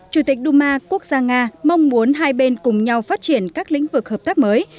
chủ tịch duma quốc gia nga mong muốn hai bên cùng nhau phát triển các lĩnh vực hợp tác mới